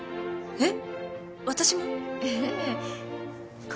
えっ？